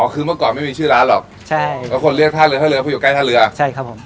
คือเมื่อก่อนไม่มีชื่อร้านหรอกใช่แล้วคนเรียกท่าเรือท่าเรือเพราะอยู่ใกล้ท่าเรือใช่ครับผม